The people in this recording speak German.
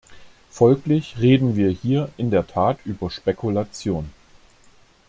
Folglich reden wir hier in der Tat über Spekulation.